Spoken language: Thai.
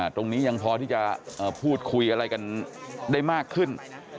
ยังพอที่จะพูดคุยอะไรกันได้มากขึ้น